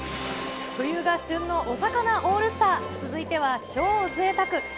冬が旬のお魚オールスター、続いては超ぜいたく！